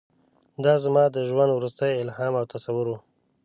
دا زما د ژوند وروستی الهام او تصور و.